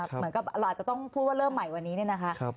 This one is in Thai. เหมือนกับเราอาจจะต้องพูดว่าเริ่มใหม่วันนี้เนี่ยนะคะ